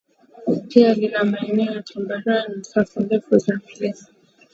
pia lina maeneo ya tambarare na safu ndefu za milima